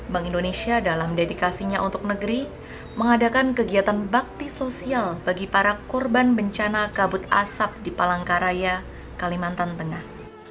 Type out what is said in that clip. bank indonesia dalam dedikasinya untuk negeri mengadakan kegiatan bakti sosial bagi para korban bencana kabut asap di palangkaraya kalimantan tengah